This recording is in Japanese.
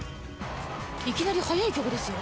いきなり速い曲ですよ。